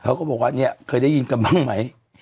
เขาก็บอกว่าเนี่ยเคยได้ยินกันบ้างไหม